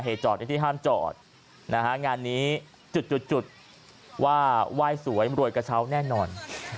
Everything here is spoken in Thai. จอดในที่ห้ามจอดนะฮะงานนี้จุดว่าไหว้สวยรวยกระเช้าแน่นอน